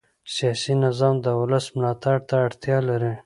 سیاسي نظام د ولس ملاتړ ته اړتیا لري